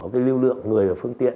có lưu lượng người và phương tiện